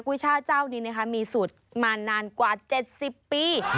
กุ้ยช่าเจ้านี้มีสูตรมานานกว่า๗๐ปี